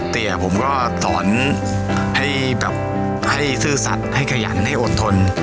เตรียผมก็สอนให้ซื่อสัตย์ให้ขยันให้อดทน